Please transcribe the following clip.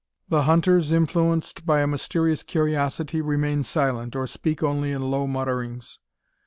The hunters, influenced by a mysterious curiosity, remain silent, or speak only in low mutterings.